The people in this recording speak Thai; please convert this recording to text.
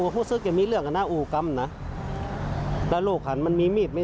ให้มองหน้ากันมาได้